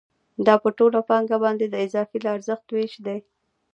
دا په ټوله پانګه باندې د اضافي ارزښت وېش دی